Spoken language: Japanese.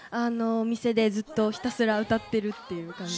親戚のお店でずっとひたすら歌っているという感じです。